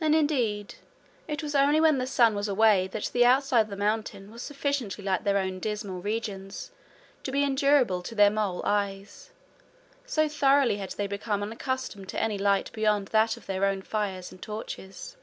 And indeed it was only when the sun was away that the outside of the mountain was sufficiently like their own dismal regions to be endurable to their mole eyes, so thoroughly had they become unaccustomed to any light beyond that of their own fires and torches.